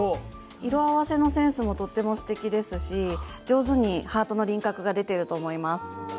色合わせのセンスもとってもすてきですし上手にハートの輪郭が出てると思います。